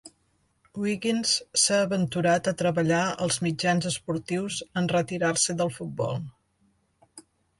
Wiggins s'ha aventurat a treballar als mitjans esportius en retirar-se del futbol.